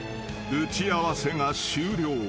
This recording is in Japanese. ［打ち合わせが終了］